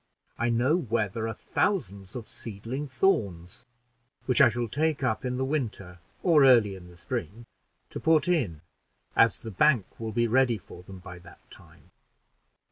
I know where there are thousands of seedling thorns, which I shall take up in the winter, or early in the spring, to put in, as the bank will be ready for them by that time."